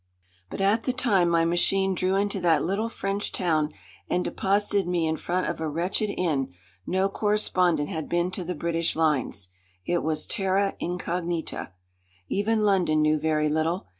But at the time my machine drew into that little French town and deposited me in front of a wretched inn, no correspondent had been to the British lines. It was terra incognita. Even London knew very little.